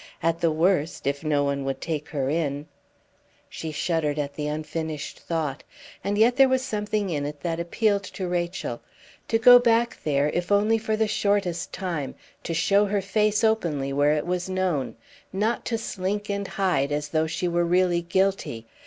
At the worst if no one would take her in She shuddered at the unfinished thought; and yet there was something in it that appealed to Rachel. To go back there, if only for the shortest time to show her face openly where it was known not to slink and hide as though she were really guilty!